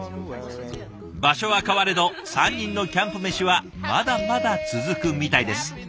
場所は変われど３人のキャンプメシはまだまだ続くみたいです。